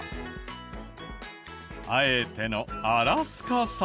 あえてのアラスカ産。